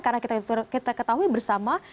karena kita ketahui bersama